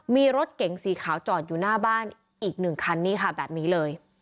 มีรถเก๋งสีขาวจอดอยู่หน้าบ้านอีกหนึ่งคันนี่ค่ะแบบนี้เลย